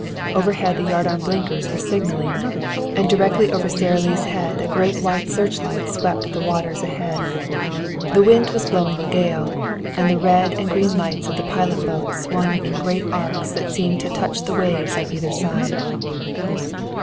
Overhead the yardarm blinkers were signaling, and directly over Sara Lee's head a great white searchlight swept the water ahead. The wind was blowing a gale, and the red and green lights of the pilot boat swung in great arcs that seemed to touch the waves on either side.